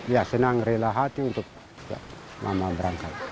ya senang rela hati untuk mama berangkat